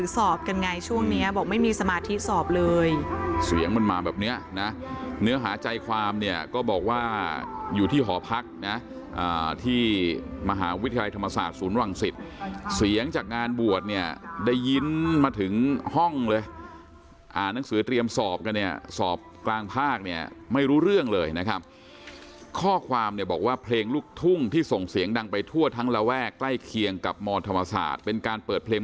เสียงมันมาแบบเนื้อนะเนื้อหาใจความเนี่ยก็บอกว่าอยู่ที่หอพักนะอ่าที่มหาวิทยาลัยธรรมศาสตร์ศูนย์รังสิทธิ์เสียงจากงานบวชเนี่ยได้ยินมาถึงห้องเลยอ่านหนังสือเตรียมสอบกันเนี่ยสอบกลางภาคเนี่ยไม่รู้เรื่องเลยนะครับข้อความเนี่ยบอกว่าเพลงลูกทุ่งที่ส่งเสียงดังไปทั่วทั้งระแวกใ